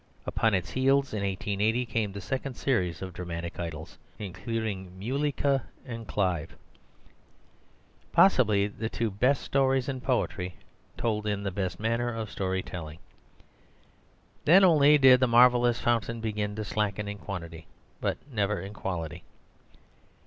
Upon its heels, in 1880, came the second series of Dramatic Idylls, including "Muléykeh" and "Clive," possibly the two best stories in poetry, told in the best manner of story telling. Then only did the marvellous fountain begin to slacken in quantity, but never in quality.